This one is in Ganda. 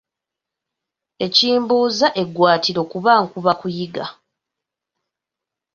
Ekibunza eggwaatiro kuba nkuba kuyinga.